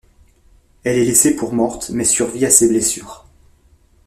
Elle est laissée pour morte mais survit à ses blessures.